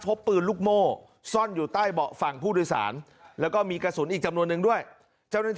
พบปืนลูกโม